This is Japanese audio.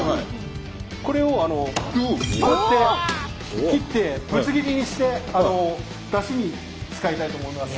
これをこうやって切ってぶつ切りにしてだしに使いたいと思います。